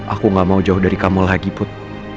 aku gak mau jauh dari kamu lagi put